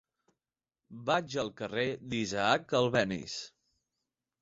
Vaig al carrer d'Isaac Albéniz.